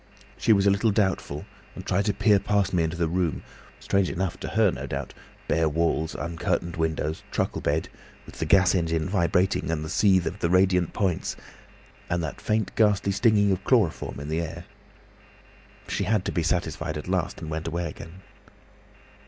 She was a little doubtful and tried to peer past me into the room; strange enough to her no doubt—bare walls, uncurtained windows, truckle bed, with the gas engine vibrating, and the seethe of the radiant points, and that faint ghastly stinging of chloroform in the air. She had to be satisfied at last and went away again."